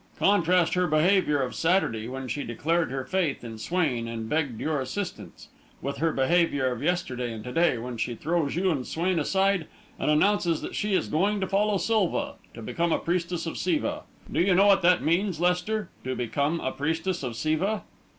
Contrast her behaviour of Saturday, when she declared her faith in Swain and begged your assistance, with her behaviour of yesterday and to day, when she throws you and Swain aside and announces that she is going to follow Silva to become a priestess of Siva. Do you know what that means, Lester to become a priestess of Siva?"